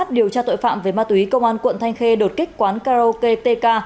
điều tra tội phạm về ma túy công an quận thanh khê đột kích quán karaoke tk